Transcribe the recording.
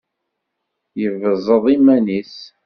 Yebẓeḍ iman-is.